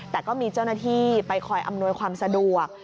แต่ก็มีเจ้าหน้าที่ไปคอยอำนวยความสะดวก